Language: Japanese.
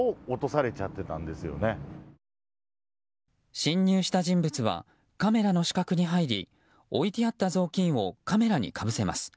侵入した人物はカメラの視覚に入り置いてあった雑巾をカメラにかぶせます。